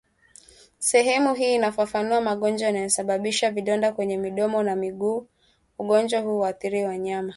Sehemu hii inafafanua magonjwa yanayosababisha vidonda kwenye midomo na miguuni ugonjwa huu huathiri wanyama